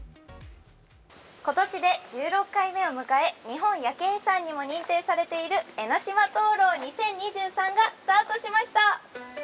今年で１６回目を迎え、日本夜景遺産にも認定されている江の島灯籠２０２３がスタートしました。